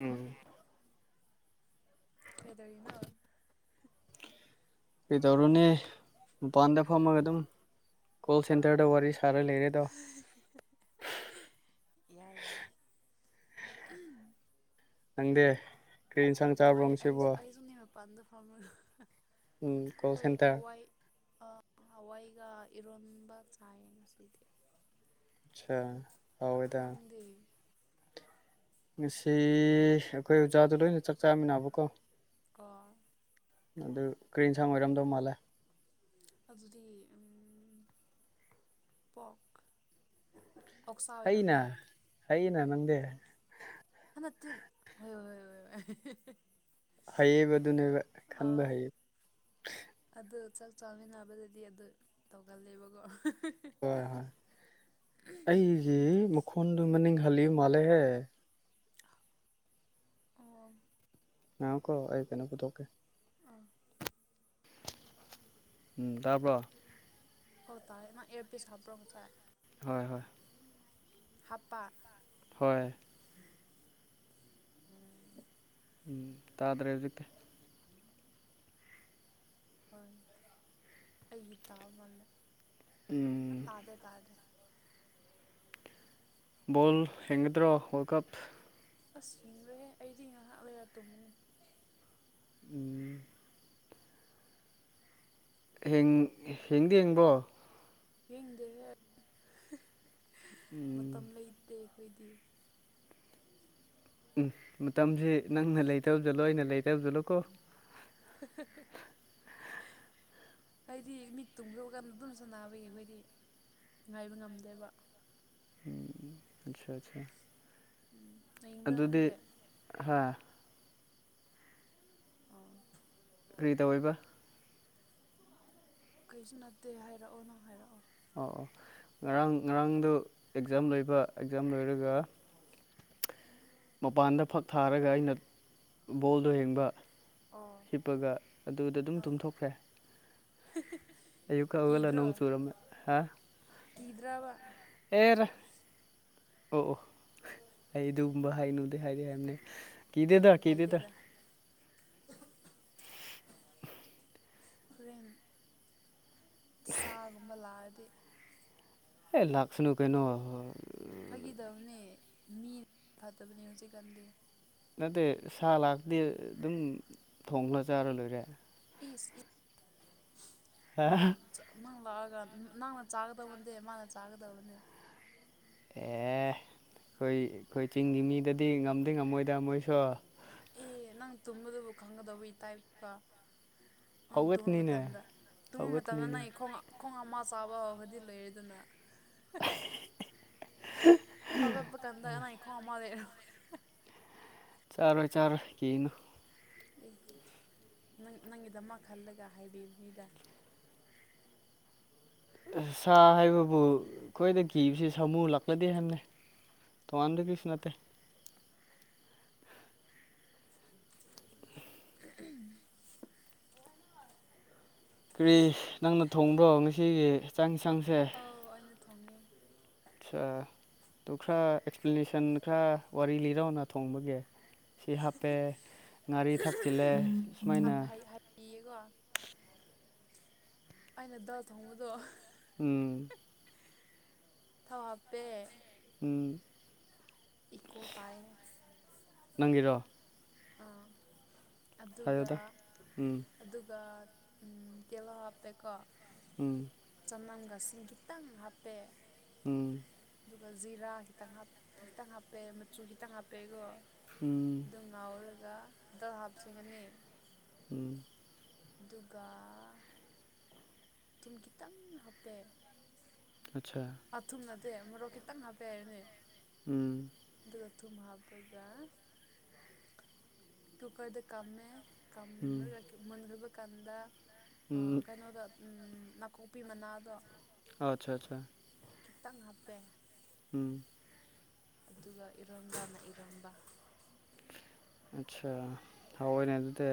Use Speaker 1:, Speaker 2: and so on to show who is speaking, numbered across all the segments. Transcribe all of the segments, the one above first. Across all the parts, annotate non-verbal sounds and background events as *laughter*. Speaker 1: ꯎꯝ
Speaker 2: ꯀꯩꯗꯧꯏꯅꯣ
Speaker 1: ꯀꯩꯗꯧꯔꯨꯅꯤ ꯃꯄꯥꯟꯗ ꯐꯝꯃꯒ ꯑꯗꯨꯝ ꯀꯣꯜ ꯁꯦꯟꯇꯔꯗ ꯋꯥꯔꯤ ꯁꯥꯔ ꯂꯩꯔꯦꯗꯣ
Speaker 2: *unintelligible* ꯌꯥꯏ ꯌꯥꯏ
Speaker 1: ꯅꯪꯗꯤ ꯀꯩꯏꯟꯁꯥꯡ
Speaker 2: ꯑꯩ ꯑꯩꯁꯨ ꯑꯩꯁꯨ ꯅꯦ ꯃꯄꯥꯟꯗ ꯐꯥꯝꯃꯒ
Speaker 1: ꯎꯝ ꯀꯣꯜ
Speaker 2: ꯑꯩꯈꯣꯏ
Speaker 1: ꯁꯦꯟꯇꯔ
Speaker 2: ꯍꯋꯥꯏ ꯍꯋꯥꯏꯒ ꯏꯔꯣꯟꯕ ꯆꯥꯏꯌꯦ ꯉꯁꯤꯗꯤ
Speaker 1: ꯆꯥ
Speaker 2: ꯅꯪꯗꯤ
Speaker 1: ꯉꯁꯤ ꯑꯩꯈꯣꯏ ꯑꯣꯖꯥꯗꯣ ꯂꯣꯏꯅ ꯆꯥꯛ ꯆꯥꯃꯤꯟꯅꯕꯀꯣ
Speaker 2: ꯀꯣ
Speaker 1: ꯑꯗꯨ ꯀꯔꯤ ꯏꯟꯁꯥꯡ ꯑꯣꯏꯔꯝꯗꯧ ꯃꯥꯜꯂꯦ
Speaker 2: ꯑꯗꯨꯗꯤ ꯎꯝ ꯄꯣꯛ ꯑꯣꯛꯁꯥ
Speaker 1: ꯍꯩꯅꯥ
Speaker 2: ꯑꯣꯏꯔꯝꯅꯦ
Speaker 1: ꯍꯩꯌꯦꯅ ꯅꯪꯗꯤ
Speaker 2: ꯍꯥꯅꯇꯤꯜ ꯍꯣꯏ ꯍꯣꯏ ꯍꯣꯏ ꯍꯣꯏ
Speaker 1: ꯍꯩꯌꯦꯕ ꯑꯗꯨꯅꯦꯕ ꯈꯟꯕ
Speaker 2: ꯑꯥ
Speaker 1: ꯍꯩꯌꯦ
Speaker 2: ꯑꯗꯨ ꯆꯥꯛ ꯆꯥꯃꯤꯟꯅꯕꯗꯗꯤ ꯑꯗꯨ ꯇꯧꯒꯜꯂꯦꯕꯀꯣ
Speaker 1: ꯍꯣꯏ ꯍꯣꯏ ꯑꯩꯒꯤꯁꯤ ꯃꯈꯨꯟꯗꯨ ꯃꯅꯤꯡ ꯍꯜꯂꯤꯕ ꯃꯥꯜꯂꯦꯍꯦ
Speaker 2: ꯑꯣ
Speaker 1: ꯉꯥꯏꯌꯣꯀꯣ ꯑꯩ ꯀꯩꯅꯣꯝ ꯄꯨꯊꯣꯛꯀꯦ
Speaker 2: ꯑꯥ
Speaker 1: ꯎꯝ ꯇꯥꯕ꯭ꯔꯣ
Speaker 2: ꯑꯧ ꯇꯥꯏꯅ ꯑꯦꯔ ꯄꯤꯁ ꯍꯥꯞꯄꯔꯣ ꯉꯁꯥꯏ
Speaker 1: ꯍꯣꯏ ꯍꯣꯏ
Speaker 2: ꯍꯥꯞꯄ
Speaker 1: ꯍꯣꯏ
Speaker 2: ꯎ
Speaker 1: ꯎꯝ ꯇꯥꯗ꯭ꯔꯦ ꯍꯧꯖꯤꯛꯇ
Speaker 2: ꯑꯩꯒꯤ ꯇꯥꯕꯃꯜꯂꯦ
Speaker 1: ꯎꯝ
Speaker 2: ꯇꯥꯖꯦ ꯇꯥꯖꯦ
Speaker 1: ꯕꯣꯜ ꯍꯦꯟꯒꯗ꯭ꯔꯣ ꯋꯥꯔꯜ ꯀꯞ
Speaker 2: ꯑꯁ ꯍꯤꯡꯡꯂꯦ ꯑꯩꯗꯤ ꯉꯥꯏꯍꯥꯛ ꯂꯌꯥ ꯇꯣꯡꯕꯅꯤ
Speaker 1: ꯎꯝ ꯍꯦꯡꯗꯤ ꯍꯡꯕ꯭ꯔꯣ
Speaker 2: ꯌꯦꯡꯗꯦ
Speaker 1: ꯎꯝ
Speaker 2: ꯃꯇꯝ ꯂꯩꯇꯦ ꯑꯩꯈꯣꯏꯗꯤ
Speaker 1: ꯎꯝ ꯃꯇꯝꯁꯤ ꯅꯪꯅ ꯂꯩꯇꯕꯖꯠꯂꯣ ꯑꯩꯅ ꯂꯩꯇꯕꯖꯠꯂꯣ ꯀꯣ
Speaker 2: ꯍꯥꯏꯗꯤ ꯃꯤꯠ ꯇꯨꯝꯈ꯭ꯔꯕꯒ ꯑꯗꯨꯝ ꯁ ꯕꯌꯦ ꯑꯩꯈꯣꯏꯗꯤ ꯉꯥꯏꯕ ꯉꯝꯗꯦꯕ
Speaker 1: ꯎ ꯑꯆꯥ ꯑꯆꯥ
Speaker 2: ꯎꯝ ꯅꯌꯤꯡꯕ꯭ꯔꯥ
Speaker 1: ꯑꯗꯨꯗꯤ
Speaker 2: ꯅꯪꯗꯤ
Speaker 1: ꯍꯥ
Speaker 2: ꯑꯣꯥ
Speaker 1: ꯀ꯭ꯔꯤ ꯇꯧ ꯑꯣꯏꯕ
Speaker 2: ꯀꯩꯁꯨ ꯅꯠꯇꯦ ꯍꯥꯏꯔꯛꯑꯣ ꯅꯪ ꯍꯥꯏꯔꯛꯑꯣ
Speaker 1: ꯑꯣꯧ ꯑꯣ ꯉꯔꯥꯡ ꯉꯔꯥꯡꯗꯨ ꯑꯦꯛꯖꯥꯝ ꯂꯣꯏꯕ ꯑꯦꯛꯖꯥꯝ ꯂꯣꯏꯔꯒ ꯃꯄꯥꯟꯗ ꯐꯛ ꯊꯥꯔꯒ ꯑꯩꯅ ꯕꯣꯜꯗꯣ ꯌꯦꯡꯕ
Speaker 2: ꯑꯣ
Speaker 1: ꯍꯤꯞꯄꯒ ꯑꯗꯨꯗ ꯑꯗꯨꯝ ꯇꯨꯝꯊꯣꯛꯈ꯭ꯔꯦ ꯑꯌꯨꯛꯀ ꯍꯧꯒꯠꯂ
Speaker 2: ꯀꯗ꯭ꯔꯣ
Speaker 1: ꯅꯣꯡ ꯆꯨꯔꯝꯃꯦ ꯍꯥ
Speaker 2: ꯀꯗ꯭ꯔꯥꯕ
Speaker 1: ꯑꯦꯔ ꯑꯣ ꯑꯣ ꯑꯩ ꯑꯗꯨꯒꯨꯝꯕ ꯍꯥꯏꯅꯨꯗꯦ ꯍꯥꯏꯗꯤ ꯍꯥꯏꯕꯅꯦ ꯀꯤꯗꯦꯗ ꯀꯤꯗꯦꯗ
Speaker 2: ꯀꯥꯏꯗꯦꯗ ꯍꯣꯔꯦꯟ ꯁꯥꯒꯨꯝꯕ ꯂꯥꯛꯑꯗꯤ
Speaker 1: ꯑꯦ ꯂꯥꯛꯁꯅꯨ ꯀꯩꯅꯣꯍ
Speaker 2: ꯐꯈꯤꯗꯕꯅꯦ ꯃꯤꯅ ꯐꯠꯇꯕꯅꯦ ꯍꯧꯖꯤꯛꯀꯥꯟꯗꯤ
Speaker 1: ꯅꯠꯇꯦ ꯁꯥ ꯂꯥꯛꯗꯤ ꯑꯗꯨꯝ ꯊꯣꯂ ꯆꯥꯔ ꯂꯣꯏꯔꯦ
Speaker 2: ꯏꯁ
Speaker 1: ꯍꯥ ꯑꯦ
Speaker 2: ꯅꯪ ꯂꯥꯛꯑꯒ ꯅꯪꯅ ꯆꯥꯒꯗꯕꯅꯦ ꯃꯥꯅ ꯆꯥꯒꯗꯕꯅꯦ
Speaker 1: ꯑꯦ ꯑꯩꯈꯣꯏ ꯑꯩꯈꯣꯏ ꯆꯤꯡꯒꯤ ꯃꯤꯗꯗꯤ ꯉꯝꯗꯤ ꯉꯝꯃꯣꯏꯗ ꯃꯣꯏꯁꯨ
Speaker 2: ꯑꯦ ꯅꯪ ꯇꯨꯝꯕꯗꯨꯕꯨ ꯈꯪꯒꯗꯧꯕꯒꯤ ꯇꯥꯏꯞꯇꯀ ꯅꯪ ꯇꯨꯝꯕ
Speaker 1: ꯍꯧꯒꯠꯀꯅꯤꯅꯦ
Speaker 2: ꯃꯇꯝꯗ ꯇꯨꯝꯕ ꯃꯇꯝꯗ
Speaker 1: ꯍꯧꯒꯠꯀꯅꯤꯅꯦ
Speaker 2: ꯅꯪ ꯈꯣꯡꯉ ꯈꯣꯡ ꯑꯃ ꯆꯥꯕ ꯍꯧꯈ꯭ꯔꯗꯤ ꯂꯩꯔꯦ ꯑꯗꯨꯅ ꯍꯒꯠꯄ ꯀꯟꯗꯅ ꯏ ꯈꯣ ꯑꯃ ꯂꯩꯦꯔ
Speaker 1: ꯆꯥꯔꯣꯏ ꯆꯥꯔꯣꯏ ꯀꯅ
Speaker 2: ꯑꯦ ꯅꯪ ꯅꯪꯒꯤꯗꯃ ꯈꯜꯂꯒ ꯍꯥꯏꯕꯤꯕꯅꯤꯗ
Speaker 1: ꯁꯥ ꯍꯥꯏꯕꯕꯨ ꯑꯩꯈꯣꯏꯗ ꯀꯤꯕꯁꯤ ꯁꯥꯃꯨ ꯂꯥꯛꯂꯗꯤꯦ ꯍꯥꯏꯅꯤ ꯇꯣꯉꯥꯟꯗ ꯄꯁ ꯅꯠꯇꯦ
Speaker 2: ꯎ
Speaker 1: ꯀꯔꯤ ꯅꯪꯅ ꯊꯣꯡꯕꯣ ꯉꯁꯤꯒꯤ ꯆ ꯆꯥꯡ ꯌꯦꯟꯁꯥꯡꯁꯦ
Speaker 2: ꯑꯧ ꯑꯩꯅ ꯊꯣꯡꯉꯦ
Speaker 1: ꯑꯠ ꯑꯗꯨ ꯈꯔ ꯑꯦꯛꯁꯄ꯭ꯂꯦꯅꯦꯁꯟ ꯈꯔ ꯋꯥꯔꯤ ꯂꯤꯔꯅ ꯊꯣꯡꯕꯒꯤ ꯁꯤ ꯍꯥꯞꯄꯦ ꯉꯥꯔꯤ ꯊꯥꯛꯆꯤꯜꯂꯦ ꯁꯨꯃꯥꯏꯅ
Speaker 2: ꯏꯌꯦꯀꯣ ꯑꯩꯅ ꯗꯥ ꯊꯣꯡꯕꯗꯣ
Speaker 1: ꯎꯝ
Speaker 2: ꯊꯧ ꯍꯥꯞꯄꯦ
Speaker 1: ꯎꯝ
Speaker 2: ꯏꯀꯣ ꯇꯏ
Speaker 1: ꯅꯪꯒꯤꯔꯣ
Speaker 2: ꯑꯥ ꯑꯗꯨꯒ
Speaker 1: ꯍꯥꯏꯌꯣꯗ ꯎꯝ
Speaker 2: ꯑꯗꯨꯒ ꯀꯦꯂ ꯍꯥꯞꯄꯦꯀꯣ
Speaker 1: ꯎꯝ
Speaker 2: ꯆꯅꯝꯒꯁꯤ ꯈꯤꯇꯪ ꯍꯥꯞꯄꯦꯦ
Speaker 1: ꯎꯝ
Speaker 2: ꯑꯗꯨꯒ ꯖꯤꯔꯥ ꯈꯤꯇꯪ ꯍꯥꯞ ꯈꯤꯇꯪ ꯍꯥꯞꯄꯦ ꯃꯆꯨ ꯈꯤꯇꯪ ꯍꯥꯞꯄꯦꯀꯣ
Speaker 1: ꯍꯝ
Speaker 2: ꯑꯗꯨ ꯉꯥꯎꯔꯒ ꯗꯗꯜ ꯍꯥꯞꯆꯒꯅꯤ
Speaker 1: ꯎꯝ
Speaker 2: ꯑꯗꯨꯒ ꯑꯗꯨꯨꯝ ꯈꯤꯇꯪ ꯍꯥꯞꯄꯦ
Speaker 1: ꯑꯆꯥꯥ
Speaker 2: ꯑꯊꯨꯝꯅꯗꯦ ꯃꯣꯔꯣꯛ ꯈꯤꯇꯪ ꯍꯥꯞꯄꯦ ꯍꯥꯏꯅꯦ
Speaker 1: ꯎꯝ
Speaker 2: ꯑꯗꯨꯒ ꯊꯨꯝ ꯍꯥꯞꯄꯒ ꯀꯨꯀꯔꯗ ꯀꯝꯃꯦ
Speaker 1: ꯎꯝ
Speaker 2: ꯀꯝꯒ ꯃꯨꯟꯈ꯭ꯔꯕ ꯀꯥꯟꯗ
Speaker 1: ꯎꯝ
Speaker 2: ꯀꯩꯅꯣꯗ ꯎꯝ ꯅꯥꯀꯨꯞꯄꯤ ꯃꯅꯥꯗꯣ
Speaker 1: ꯑꯠꯆꯥ ꯑꯠꯆꯥ
Speaker 2: ꯈꯤꯇꯪ ꯍꯥꯞꯄꯦ
Speaker 1: ꯎꯝ
Speaker 2: ꯑꯗꯨꯒ ꯏꯔꯣꯝꯕꯅ ꯏꯔꯝꯕ
Speaker 1: ꯑꯆꯥ ꯍꯥꯥꯎꯏꯅꯦ ꯑꯗꯨꯗꯤ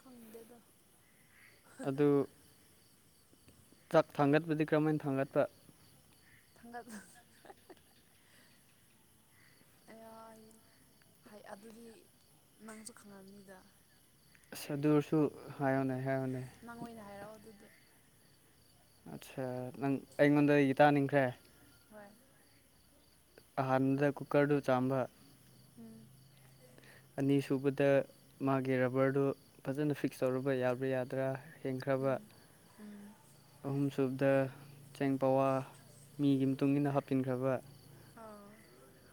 Speaker 2: ꯈꯪꯗꯦꯗ
Speaker 1: ꯑꯗꯨ ꯆꯥꯛ ꯊꯥꯡꯒꯠꯄꯗꯤ ꯀꯔꯝꯍꯥꯏꯅ ꯊꯥꯡꯒꯠꯄ
Speaker 2: ꯊꯥꯡꯒꯜ *unintelligible* ꯑꯌꯥ ꯍꯩ ꯑꯗꯨꯗꯤ ꯅꯪꯁꯨ ꯈꯪꯉꯝꯅꯤꯗ
Speaker 1: ꯑꯁ ꯑꯗꯨꯔꯁꯨ ꯍꯥꯏꯌꯨꯅꯦ ꯍꯥꯏꯌꯨꯅꯦ
Speaker 2: ꯅꯪ ꯑꯣꯏꯅ ꯍꯥꯏꯔꯛꯑꯣ ꯑꯗꯨꯗꯤ
Speaker 1: ꯑꯠꯆꯥ ꯅꯪ ꯑꯩꯉꯣꯟꯗ ꯒꯤꯇꯥꯥꯅꯤꯡꯈ꯭ꯔꯦ
Speaker 2: ꯍꯣꯏ
Speaker 1: ꯍꯟꯗ ꯀꯨꯀꯔꯗꯨ ꯆꯥꯝꯕ
Speaker 2: ꯎꯝ
Speaker 1: ꯑꯅꯤꯁꯨꯕꯗ ꯃꯥꯒꯤ ꯔꯕꯔꯗꯨ ꯐꯖꯅ ꯐꯤꯛꯁ ꯇꯧꯔꯨꯕ ꯌꯥꯕ꯭ꯔꯥ ꯌꯥꯗ꯭ꯔꯥ ꯍꯦꯟꯈ꯭ꯔꯕ
Speaker 2: ꯎꯝ ꯎꯝ
Speaker 1: ꯑꯍꯨꯝꯁꯨꯕꯗ ꯆꯦꯡ ꯄꯋꯥ ꯃꯤꯒꯤ ꯃꯇꯨꯡ ꯏꯟꯅ ꯍꯥꯞꯆꯤꯟꯈ꯭ꯔꯕ
Speaker 2: ꯑꯥ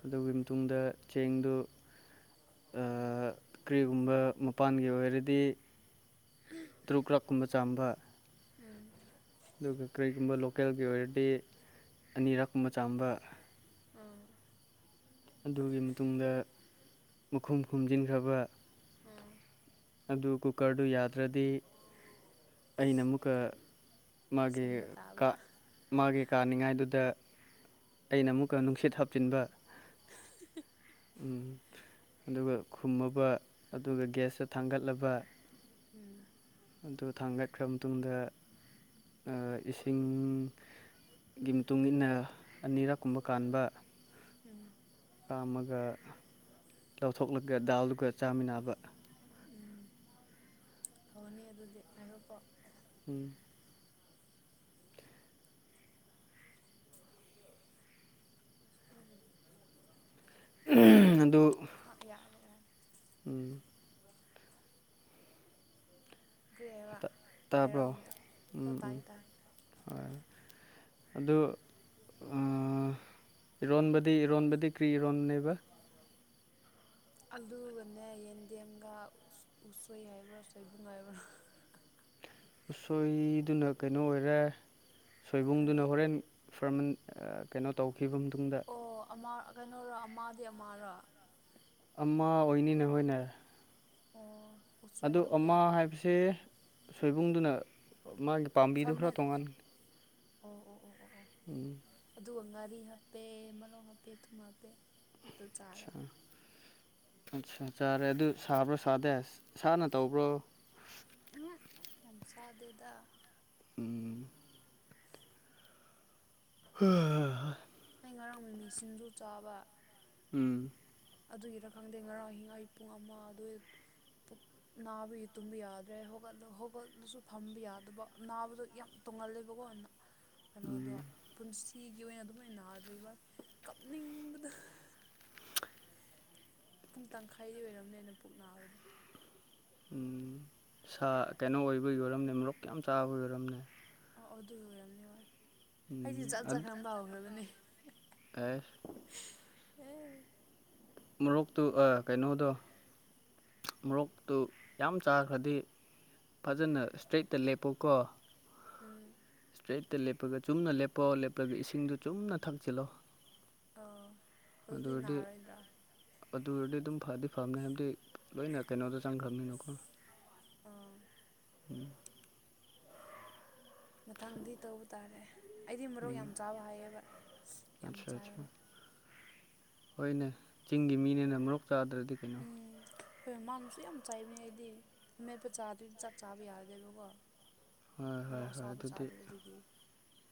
Speaker 1: ꯑꯗꯨꯒꯤ ꯃꯇꯨꯡꯗ ꯆꯦꯡꯗꯨ ꯑꯥ ꯀꯔꯤꯒꯨꯝꯕ ꯃꯄꯥꯟꯒꯤ ꯑꯣꯏꯔꯗꯤ
Speaker 2: *unintelligible*
Speaker 1: ꯇꯔꯨꯛ ꯀꯛꯀꯨꯝꯕ ꯆꯥꯝꯕ
Speaker 2: ꯎꯝ
Speaker 1: ꯑꯗꯨꯒ ꯀꯔꯤꯒꯨꯝꯕ ꯂꯣꯀꯦꯜꯒꯤ ꯑꯣꯏꯔꯗꯤ ꯑꯅꯤꯔꯛꯀꯨꯝꯕ ꯆꯥꯝꯕ
Speaker 2: ꯑꯥ
Speaker 1: ꯑꯗꯨꯒꯤ ꯃꯇꯨꯡꯗ ꯃꯈꯨꯝ ꯈꯨꯝꯖꯤꯟꯈ꯭ꯔꯕ
Speaker 2: ꯎꯝ
Speaker 1: ꯑꯗꯨ ꯀꯨꯀꯔꯗꯨ ꯌꯥꯗ꯭ꯔꯗꯤ ꯑꯩꯅ ꯑꯃꯨꯛꯀ ꯃꯥꯒꯤ
Speaker 2: ꯁꯦꯝꯕ ꯇꯥꯕ
Speaker 1: ꯃꯥꯒꯤ ꯀꯥꯅꯤꯉꯥꯏꯗꯨꯗ ꯑꯩꯅ ꯑꯃꯨꯛꯀ ꯅꯨꯡꯁꯤꯠ ꯍꯥꯞꯆꯤꯟꯕ ꯎ ꯑꯗꯨꯒ ꯈꯨꯝꯃꯕ ꯑꯗꯨꯒ ꯒ꯭ꯌꯥꯁꯇ ꯊꯥꯡꯒꯠꯂꯕ
Speaker 2: ꯎꯝ
Speaker 1: ꯑꯗꯨ ꯊꯥꯡꯒꯠꯈ꯭ꯔ ꯃꯇꯨꯡꯗ ꯑꯥ ꯏꯁꯤꯡ ꯒꯤ ꯃꯇꯨꯡ ꯏꯟꯅ ꯑꯅꯤꯔꯛ ꯀꯨꯝꯕ ꯀꯥꯟꯕ
Speaker 2: ꯎꯝ
Speaker 1: ꯀꯥꯝꯃꯒ ꯂꯧꯊꯣꯛꯂꯒ ꯗꯥꯜꯗꯨꯒ ꯆꯥꯃꯤꯟꯅꯕ
Speaker 2: ꯐꯅꯤ ꯑꯗꯨꯗꯤ ꯍꯥꯏꯒ ꯄꯣ
Speaker 1: ꯎꯝ *unintelligible* ꯑꯗꯨ
Speaker 2: *unintelligible*
Speaker 1: *inaudible*
Speaker 2: ꯀꯔꯤ ꯍꯥꯏꯕ ꯍꯥꯏꯔꯥꯎ
Speaker 1: ꯇꯥꯕ꯭ꯔꯣ
Speaker 2: ꯑꯝꯇ ꯑꯣ
Speaker 1: ꯎꯝ
Speaker 2: ꯇꯥꯏ
Speaker 1: ꯎꯝ
Speaker 2: ꯇꯥꯏ
Speaker 1: ꯍꯣꯏ ꯑꯗꯨ ꯏꯔꯣꯟꯕꯗꯤ ꯏꯔꯣꯟꯕꯗꯤ ꯀ꯭ꯔꯤ ꯏꯔꯣꯟꯕꯅꯦꯕ
Speaker 2: ꯑꯂꯨꯒꯅꯦ ꯌꯦꯟꯗꯦꯝꯒ ꯎꯁꯣꯏ ꯍꯥꯏꯕ꯭ꯔꯥ ꯁꯣꯏꯕꯨꯡ ꯍꯥꯏꯕ꯭ꯔꯥ
Speaker 1: ꯎꯁꯣꯏꯗꯨꯅ ꯀꯩꯅꯣ ꯑꯣꯏꯔꯦ
Speaker 2: ꯀꯔꯤ
Speaker 1: ꯁꯣꯏꯕꯨꯡꯗꯨꯅ ꯍꯣꯔꯦꯟ ꯐꯔꯃꯟ ꯀꯩꯅꯣ ꯇꯧꯈꯤꯕ ꯃꯇꯨꯡꯗ
Speaker 2: ꯑꯣ ꯑꯃ ꯀꯩꯅꯣꯔ ꯑꯃꯗꯤ ꯑꯃꯔꯣ
Speaker 1: ꯑꯃ ꯑꯣꯏꯅꯤꯅꯦ ꯍꯣꯏꯅ
Speaker 2: ꯑꯣ ꯎꯁꯣꯏ
Speaker 1: ꯑꯗꯣ
Speaker 2: ꯍꯥꯞꯄꯦ
Speaker 1: ꯑꯃꯥ ꯍꯥꯏꯕꯁꯦ ꯁꯣꯏꯕꯨꯡꯗꯨꯅ ꯃꯥꯒꯤ ꯄꯥꯝꯕꯤꯗꯨ ꯈꯔ
Speaker 2: ꯐꯥꯔꯃꯦꯟ
Speaker 1: ꯇꯣꯉꯥꯟꯅ
Speaker 2: ꯑꯣ ꯑꯣ ꯑꯣ ꯑꯣ ꯑꯣ
Speaker 1: ꯎꯝ
Speaker 2: ꯑꯗꯨꯒ ꯉꯥꯔꯤ ꯍꯥꯞꯄꯦ ꯃꯔꯣꯛ ꯍꯥꯞꯄꯦ ꯊꯨꯝ ꯍꯥꯞꯄꯦ ꯑꯗꯨ ꯆꯥꯔꯦ
Speaker 1: ꯑꯆꯥ ꯑꯠꯆꯥ ꯆꯥꯔꯦ ꯑꯗꯨ ꯁꯥꯕ꯭ꯔ ꯁꯥꯗꯦ ꯁꯥꯅ ꯇꯧꯕ꯭ꯔꯣ
Speaker 2: ꯌꯥꯝ ꯁꯥꯥꯗꯦꯗ
Speaker 1: ꯎꯝ
Speaker 2: *unintelligible*
Speaker 1: *unintelligible*
Speaker 2: ꯑ ꯉꯔꯥꯡ ꯃꯃꯤꯁꯤꯡꯖꯨ ꯆꯥꯕ
Speaker 1: ꯎꯝ
Speaker 2: ꯑꯗꯨꯒꯤꯔ ꯈꯪꯗꯦ ꯉꯔꯥꯡ ꯑꯤꯍꯤꯡ ꯄꯨꯡ ꯑꯃ ꯑꯗꯨꯏ ꯅꯥꯕꯒꯤ ꯇꯨꯝꯕ ꯌꯥꯗ꯭ꯔꯦꯠ ꯍꯧꯒꯠ ꯍꯧꯒꯠꯂꯁꯨ ꯐꯝꯕ ꯌꯥꯗꯕ ꯅꯥꯕꯗꯣ ꯌꯥꯝ ꯇꯣꯡꯉꯜꯂꯦꯕꯀꯣ
Speaker 1: *inaudible*
Speaker 2: ꯀꯩꯅꯣꯗꯣ ꯄꯨꯟꯁꯤꯒꯤ ꯑꯣꯏꯅ ꯑꯗꯨꯃꯥꯏꯅ ꯅꯥꯗ꯭ꯔꯤꯕ ꯀꯞꯅꯤꯡꯕꯗ ꯄꯨꯡ ꯇꯪꯈꯥꯏꯗꯤ ꯑꯣꯏꯔꯝꯅꯦꯅ ꯄꯨꯛ ꯅꯥꯕꯗꯣ
Speaker 1: ꯁꯥ ꯀꯩꯅꯣ ꯑꯣꯏꯕꯩ ꯑꯣꯏꯔꯝꯅꯦ ꯃꯣꯔꯣꯛ ꯀꯌꯥꯝ ꯆꯥꯕꯩ ꯑꯣꯏꯔꯝꯅꯦ
Speaker 2: ꯑꯣ ꯑꯗꯨ ꯑꯣꯏꯔꯝꯅꯤ ꯍꯣꯏ ꯍꯥꯏꯗꯤ ꯆꯖꯠ ꯖꯠ ꯈꯪꯕ ꯍꯧꯈ꯭ꯔꯕꯅꯦ
Speaker 1: ꯑꯦꯁ ꯃꯣꯔꯣꯛꯇꯨ ꯑ ꯀꯩꯅꯣꯗꯣ ꯃꯣꯔꯣꯛꯇꯨ ꯌꯥꯝ ꯆꯥꯈ꯭ꯔꯗꯤ ꯐꯖꯅ ꯏꯁꯇ꯭ꯔꯦꯠꯇ ꯂꯦꯞꯄꯣꯀꯣ
Speaker 2: ꯎꯝ
Speaker 1: ꯏꯁꯇ꯭ꯔꯦꯠꯇ ꯂꯦꯞꯄꯒ ꯆꯨꯝꯅ ꯂꯦꯞꯄꯣ ꯂꯦꯞꯄꯒ ꯏꯁꯤꯡꯗꯣ ꯆꯨꯝꯅ ꯊꯛꯆꯤꯜꯂꯣ
Speaker 2: *unintelligible*
Speaker 1: ꯑꯗꯨꯗꯗꯤ
Speaker 2: ꯅꯥꯔꯣꯏꯗ꯭ꯔꯥ
Speaker 1: ꯑꯗꯨꯔꯗꯤ ꯑꯗꯨꯝ ꯐꯗꯤ ꯐꯕꯅꯤ ꯍꯥꯏꯕꯗꯤ ꯂꯣꯏꯅ ꯀꯩꯅꯣꯗ ꯆꯪꯈ꯭ꯔꯕꯅꯤꯅꯀꯣ
Speaker 2: ꯑꯥ
Speaker 1: *unintelligible*
Speaker 2: ꯃꯊꯪꯗꯤ ꯇꯧꯕ ꯇꯥꯔꯦ ꯑꯩꯗꯤ ꯃꯔꯣꯛ
Speaker 1: ꯎꯝ
Speaker 2: ꯌꯥꯝ ꯆꯥꯕ ꯍꯥꯏꯌꯦꯕ ꯌꯥꯝ
Speaker 1: ꯑꯠꯆꯥ ꯑꯠꯆꯥ
Speaker 2: ꯆꯥꯏꯌꯦꯕ
Speaker 1: ꯍꯣꯏꯅꯦ ꯆꯤꯡꯒꯤ ꯃꯤꯅꯦꯅ ꯃꯣꯔꯣꯛ ꯆꯥꯗ꯭ꯔꯗꯤ ꯀꯩꯅꯣ
Speaker 2: ꯎꯝ ꯑꯩꯈꯣꯏ ꯃꯃꯥꯡꯁꯨ ꯌꯥꯝ ꯆꯩꯕꯅꯦ ꯑꯩꯗꯤ ꯑꯃꯦꯠꯄ ꯆꯥꯥꯗꯔꯗꯤ ꯆꯥꯛ ꯆꯥꯕ ꯌꯥꯔꯗꯦꯕꯀꯣ
Speaker 1: ꯍꯣꯏ ꯍꯣꯏ
Speaker 2: ꯃꯣꯔꯣꯛ
Speaker 1: ꯍꯣꯏ
Speaker 2: ꯑꯁꯥꯕ
Speaker 1: ꯑꯗꯨꯗꯤ
Speaker 2: ꯆꯥꯗ꯭ꯔꯦ ꯑꯗꯨꯒꯤ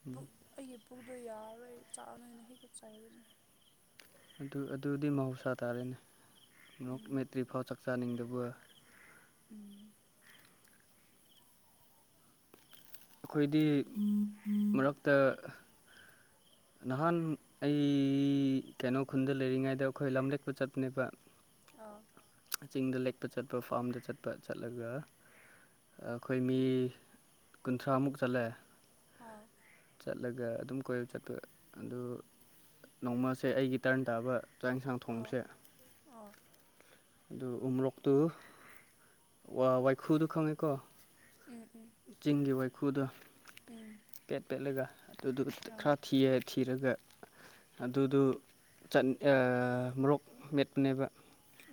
Speaker 1: ꯎꯝ
Speaker 2: ꯑꯩꯒꯤ ꯄꯨꯛꯗꯣ ꯌꯥꯔꯔꯣꯏ ꯆꯥꯒꯅꯨꯅ ꯍꯦꯛꯇ ꯆꯩꯕꯅꯦ
Speaker 1: ꯑꯗꯨ ꯑꯗꯨꯗꯤ ꯃꯍꯧꯁꯥ ꯇꯥꯔꯦꯅꯦ ꯃꯣꯔꯣꯀ
Speaker 2: ꯎꯝ
Speaker 1: ꯃꯦꯠꯇ꯭ꯔꯤꯐꯥꯎ ꯆꯥꯛ ꯆꯥꯅꯤꯡꯗꯕ
Speaker 2: ꯎꯝ
Speaker 1: ꯑꯩꯈꯣꯏꯗꯤ ꯃꯔꯛꯇ ꯅꯍꯥꯟ ꯑꯩ ꯀꯩꯅꯣ ꯈꯨꯟꯗ ꯂꯩꯔꯤꯉꯩꯗ ꯑꯩꯈꯣꯏ ꯂꯝꯂꯦꯛꯄ ꯆꯠꯄꯅꯦꯕ
Speaker 2: ꯑꯥ
Speaker 1: ꯆꯤꯡꯗ ꯂꯦꯛꯄ ꯆꯠꯄ ꯐꯥꯝꯗ ꯆꯠꯄ ꯆꯠꯂꯒ ꯑꯩꯈꯣꯏ ꯃꯤ ꯀꯨꯟꯊ꯭ꯔꯥꯃꯨꯛ ꯆꯠꯂꯦ
Speaker 2: ꯍꯥꯎ
Speaker 1: ꯆꯠꯂꯒ ꯑꯗꯨꯝ ꯀꯣꯏꯔ ꯆꯠꯄ ꯑꯗꯨ ꯅꯣꯡꯃꯁꯦ ꯑꯩꯒꯤ ꯇꯔꯟ ꯇꯥꯕ ꯆꯥꯛ ꯌꯦꯟꯁꯥꯡ
Speaker 2: ꯑꯥ
Speaker 1: ꯊꯣꯡꯕꯁꯦ
Speaker 2: ꯑꯥ
Speaker 1: ꯑꯗꯨ ꯎꯃꯣꯔꯣꯛꯇꯨ ꯋꯥ ꯋꯥꯏꯈꯨꯗꯨ ꯈꯪꯉꯦꯀꯣ
Speaker 2: ꯎꯝ ꯎꯝ
Speaker 1: ꯆꯤꯡꯒꯤ ꯋꯥꯏꯈꯨꯗꯣ
Speaker 2: ꯎꯝ
Speaker 1: ꯄꯦꯠ ꯄꯦꯠꯂꯒ ꯑꯗꯨꯗꯨ
Speaker 2: ꯑꯥ
Speaker 1: ꯈꯔ ꯊꯤꯔ ꯊꯤꯔꯒ ꯑꯗꯨꯗꯨ ꯆꯟ ꯑꯥ ꯃꯣꯔꯣꯛ ꯃꯦꯠꯄꯅꯦꯕ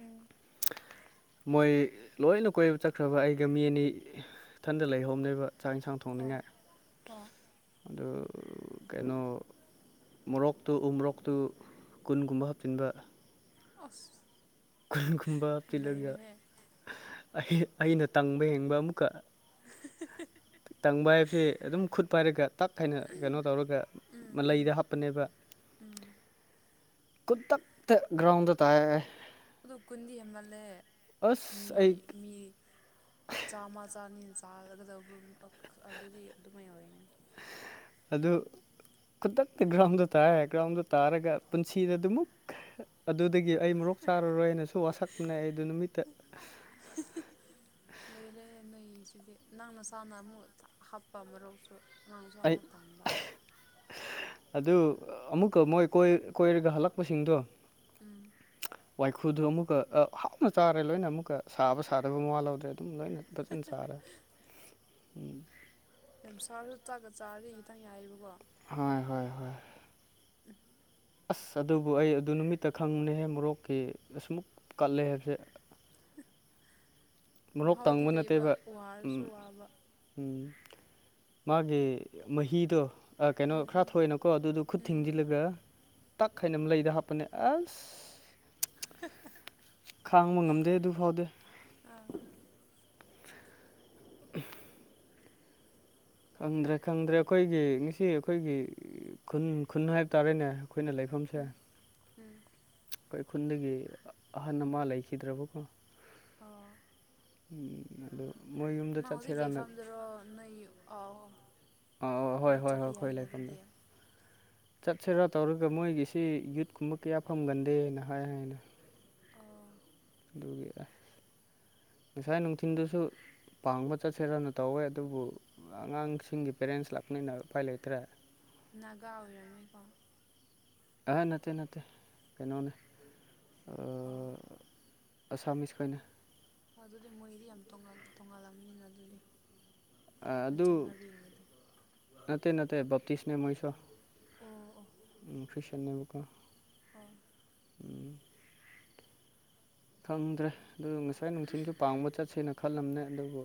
Speaker 2: ꯎꯝ
Speaker 1: ꯃꯣꯏ ꯂꯣꯏꯅ ꯀꯣꯏꯕ ꯆꯠꯈ꯭ꯔꯕ ꯑꯩꯒ ꯃꯤ ꯑꯅꯤ ꯏꯊꯟꯗ ꯂꯩꯍꯧꯅꯦꯕ ꯆꯥꯛ ꯏꯟꯁꯥꯡ
Speaker 2: ꯑꯣ ꯑꯣ
Speaker 1: ꯑꯗꯨ ꯀꯩꯅꯣ ꯃꯣꯔꯣꯛ ꯇꯨ ꯎ ꯃꯣꯔꯣꯛꯇꯨ ꯀꯨꯟꯒꯨꯝꯕ ꯍꯥꯞꯆꯤꯟꯕ
Speaker 2: ꯑꯁ
Speaker 1: ꯈꯨꯟꯒꯨꯝꯕ ꯍꯥꯞꯆꯤꯜꯂꯒ
Speaker 2: ꯂꯩꯔꯦꯍꯦ
Speaker 1: ꯑꯩꯅ ꯇꯪꯕ ꯌꯦꯡꯕ ꯑꯃꯨꯛꯀ ꯇꯪꯕ ꯍꯥꯏꯕꯁꯦ ꯑꯗꯨꯝ ꯈꯨꯠ ꯄꯥꯏꯔꯒ ꯇꯛ ꯍꯥꯏꯅ ꯀꯩꯅꯣ ꯇꯧꯔꯒ
Speaker 2: ꯎꯝ ꯎꯝ
Speaker 1: ꯃꯂꯩꯗ ꯍꯥꯞꯄꯅꯦꯕ
Speaker 2: ꯎꯝ
Speaker 1: ꯈꯨꯗꯛꯇ ꯒ꯭ꯔꯥꯎꯟꯗ ꯇꯥꯏꯍꯦ
Speaker 2: ꯑꯗꯣ ꯀꯨꯟꯗꯤ ꯍꯦꯟꯃꯜꯂꯦ
Speaker 1: ꯑꯁ
Speaker 2: ꯃꯤ
Speaker 1: ꯑꯩ
Speaker 2: ꯃꯤ ꯆꯥꯝꯃ ꯆꯥꯅꯤꯅ ꯆꯥꯒꯗꯕ ꯑꯛ ꯑꯗꯨꯗꯤ ꯑꯗꯨꯃꯥꯏꯅ ꯑꯣꯏꯅꯤ
Speaker 1: ꯑꯗꯨ ꯈꯨꯗꯛꯇ ꯒ꯭ꯔꯥꯎꯟꯗ ꯇꯥꯔꯦ ꯒ꯭ꯔꯥꯎꯟꯗ ꯇꯥꯔꯒ ꯄꯨꯟꯁꯤꯗ ꯑꯗꯨꯃꯨꯛ ꯑꯗꯨꯗꯒꯤ ꯑꯩ ꯃꯣꯔꯣꯛ ꯆꯥꯔꯔꯣꯏꯅꯁꯨ ꯋꯥꯁꯛꯄꯅꯦ ꯑꯗꯨ ꯅꯨꯃꯤꯠꯇ
Speaker 2: ꯑꯥ *unintelligible* ꯂꯣꯏꯔꯦꯍꯦ ꯅꯣꯏꯁꯤꯗꯤ ꯅꯪ ꯅꯁꯥꯥꯅ ꯑꯃꯨꯛ ꯍꯥꯞ ꯄꯥ ꯃꯔꯣꯛꯁꯨ ꯅꯪꯁꯨ
Speaker 1: ꯑꯩ
Speaker 2: ꯑꯃꯨꯛ ꯇꯪꯕ
Speaker 1: ꯑꯗꯨ ꯑꯃꯨꯛꯀ ꯃꯣꯏ ꯀꯣꯏ ꯀꯣꯏꯔꯒ ꯍꯜꯂꯛꯄꯁꯤꯡꯗꯣ
Speaker 2: ꯎꯝ
Speaker 1: ꯋꯥꯏꯈꯨꯗꯨ ꯑꯃꯨꯛꯀ ꯑ ꯍꯥꯎꯅ ꯆꯥꯔꯦ ꯂꯣꯏꯅ ꯑꯃꯨꯛꯀ ꯁꯥꯕ ꯁꯥꯗꯕ ꯃꯋꯥ ꯂꯧꯗꯦ ꯂꯣꯏꯅ ꯇꯆꯟ ꯆꯥꯔꯦ
Speaker 2: ꯌꯥꯝ ꯁꯥꯔꯁꯨ ꯆꯥꯛꯒ ꯆꯥꯔꯗꯤ ꯈꯤꯇꯪ ꯍꯥꯏꯌꯦꯕꯀꯣ
Speaker 1: ꯍꯣꯏ ꯍꯣꯏ ꯍꯣꯏ
Speaker 2: ꯎ
Speaker 1: ꯑꯁ ꯑꯗꯨꯕꯨ ꯑꯩ ꯑꯗꯨ ꯅꯨꯃꯤꯠꯇ ꯈꯪꯕꯅꯦꯍꯦ ꯃꯣꯔꯣꯛꯀꯤ ꯑꯁꯤꯃꯨꯛ ꯀꯜꯂꯦ ꯍꯥꯏꯕꯁꯦ ꯃꯣꯔꯣꯛ
Speaker 2: ꯃꯍꯥꯎꯗꯤ
Speaker 1: ꯇꯪꯕ
Speaker 2: ꯂꯩꯕ
Speaker 1: ꯅꯠꯇꯦꯕ
Speaker 2: ꯋꯥꯔꯁꯨ
Speaker 1: ꯎꯝ
Speaker 2: ꯋꯥꯕ
Speaker 1: ꯎꯝ ꯃꯥꯒꯤ ꯃꯍꯤꯗꯣ ꯑꯥ ꯀꯩꯅꯣ
Speaker 2: ꯎꯝ
Speaker 1: ꯈꯔ
Speaker 2: ꯎꯝ
Speaker 1: ꯊꯣꯛꯑꯦꯅꯀꯣ ꯑꯗꯨꯗꯣ ꯈꯨꯠ
Speaker 2: ꯎꯝ
Speaker 1: ꯊꯤꯡꯖꯤꯜꯂꯒ ꯇꯛ ꯍꯥꯏꯅꯝ ꯂꯩꯗ ꯍꯥꯞꯄꯅꯦ ꯑꯁ
Speaker 2: *unintelligible*
Speaker 1: ꯈꯥꯡꯕ ꯉꯝꯗꯦ ꯑꯗꯨ ꯐꯥꯎꯗꯤ
Speaker 2: ꯑꯥ
Speaker 1: *inaudible* ꯈꯪꯗ꯭ꯔꯦ ꯈꯪꯗ꯭ꯔꯦ ꯑꯩꯈꯣꯏꯒꯤ ꯉꯁꯤ ꯑꯩꯈꯣꯏꯒꯤ ꯈꯨꯟ ꯈꯨꯟ ꯍꯥꯏꯕ ꯇꯥꯔꯦꯅꯦ ꯑꯩꯈꯣꯏꯅ ꯂꯩ ꯐꯝꯁꯦ
Speaker 2: ꯎꯝ ꯎꯝ
Speaker 1: ꯑꯩꯈꯣꯏ ꯈꯨꯟꯗꯒꯤ ꯑꯍꯟ ꯑꯃ ꯂꯩꯈꯤꯗ꯭ꯔꯕꯀꯣ
Speaker 2: ꯑꯣ
Speaker 1: ꯎꯝ ꯑꯗꯨ ꯃꯣꯏ ꯌꯨꯝꯗ
Speaker 2: ꯅꯪ ꯍꯧꯖꯤꯛ
Speaker 1: ꯆꯠꯁꯤꯔꯅ
Speaker 2: ꯂꯩꯐꯝꯗꯨꯔꯣ ꯅꯣꯏ ꯑꯥꯎ
Speaker 1: ꯑ ꯍꯣꯏ
Speaker 2: ꯑꯗꯨ
Speaker 1: ꯍꯣꯏ ꯍꯣꯏ
Speaker 2: ꯆꯠꯄ
Speaker 1: ꯑꯩꯈꯣꯏ
Speaker 2: ꯌꯥꯏꯅ ꯑꯗꯨꯗꯤ
Speaker 1: ꯂꯩꯐꯝꯗꯣ ꯆꯠꯁꯦꯔꯥ ꯇꯧꯔꯒ ꯃꯣꯏꯒꯤꯁꯤ ꯌꯨꯠꯀꯨꯝꯕ ꯀꯌꯥ ꯐꯪꯒꯟꯗꯦꯅ ꯍꯥꯏ ꯍꯥꯏꯅ
Speaker 2: ꯑ
Speaker 1: ꯑꯗꯨꯒꯤ ꯑꯁ ꯉꯁꯥꯏ ꯅꯨꯡꯊꯤꯜꯗꯨꯁꯨ ꯄꯥꯡꯕ ꯆꯠꯁꯦꯔꯅ ꯇꯧꯋꯦ ꯑꯗꯨꯕꯨ ꯑꯉꯥꯡꯁꯤꯡꯒꯤ ꯄꯦꯔꯦꯟꯁ ꯂꯥꯛꯄꯅꯤꯅ ꯎꯄꯏ ꯂꯩꯇ꯭ꯔꯦ
Speaker 2: ꯅꯥꯒꯥ ꯑꯣꯏꯔꯝꯃꯣꯏꯀꯣ
Speaker 1: ꯑ ꯅꯠꯇꯦ ꯅꯠꯇꯦ ꯀꯩꯅꯣꯅꯦ
Speaker 2: ꯑꯣ
Speaker 1: ꯑ ꯑꯁꯥꯝꯃꯤꯁ ꯈꯩꯅꯦ
Speaker 2: ꯑꯗꯨꯗꯤ ꯃꯣꯏꯗꯤ ꯌꯥꯝ ꯇꯣꯡꯉꯜ ꯇꯣꯡꯉꯜꯂꯝꯅꯤꯅ ꯑꯗꯨꯗꯤ
Speaker 1: ꯑ
Speaker 2: ꯃꯣꯏ
Speaker 1: ꯑꯗꯨ
Speaker 2: ꯆꯠꯅꯕꯤꯃꯗꯤ
Speaker 1: ꯅꯠꯇꯦ ꯅꯠꯇꯦ ꯕꯞꯇꯤꯁꯅꯦ ꯃꯣꯏꯁꯨ
Speaker 2: ꯑꯣ ꯑꯣ
Speaker 1: *unintelligible*
Speaker 2: ꯑꯣ
Speaker 1: *inaudible* ꯈꯪꯗ꯭ꯔꯦ ꯑꯗꯨ ꯉꯁꯥꯏ ꯅꯨꯡꯊꯤꯜꯁꯨ ꯄꯥꯡꯕ ꯆꯠꯁꯦꯅ ꯈꯜꯂꯝꯅꯦ ꯑꯗꯨꯕꯨ